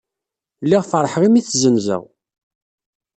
Lliɣ feṛḥeɣ imi i t-zzenzeɣ.